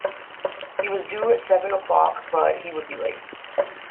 He was due at seven o’clock, but he would be late.